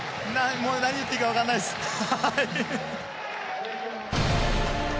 もう何言っていいか分かんないです。